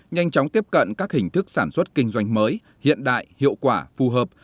nhanh chóng tiếp cận các hình thức sản xuất kinh doanh mới hiện đại hiệu quả phù hợp